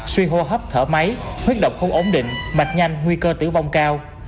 suy hô hấp thở máy huyết độc không ổn định mạch nhanh nguy cơ tử vong cao